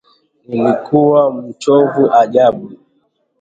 Nilikuwa mchovu ajabu